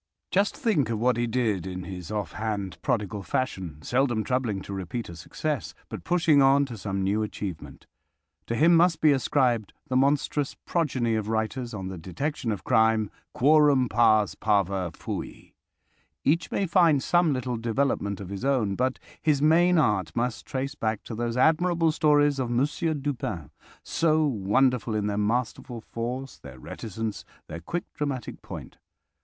Just think of what he did in his offhand, prodigal fashion, seldom troubling to repeat a success, but pushing on to some new achievement. To him must be ascribed the monstrous progeny of writers on the detection of crime—"quorum pars parva fui!" Each may find some little development of his own, but his main art must trace back to those admirable stories of Monsieur Dupin, so wonderful in their masterful force, their reticence, their quick dramatic point.